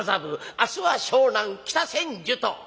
明日は湘南北千住と。